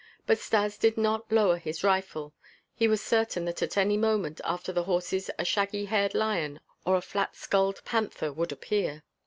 But Stas did not lower his rifle. He was certain that at any moment after the horses a shaggy haired lion or a flat skulled panther would appear.